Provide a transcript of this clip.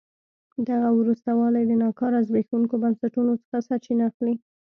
دغه وروسته والی د ناکاره زبېښونکو بنسټونو څخه سرچینه اخلي.